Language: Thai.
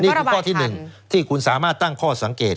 นี่คือข้อที่๑ที่คุณสามารถตั้งข้อสังเกต